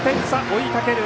追いかける